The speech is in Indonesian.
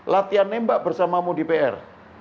latihan nembak bersamamu di pr